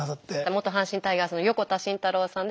元阪神タイガースの横田慎太郎さんです。